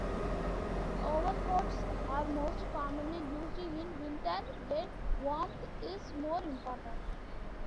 Overcoats are most commonly used in winter when warmth is more important.